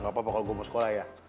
gak apa apa kalau gue mau sekolah ya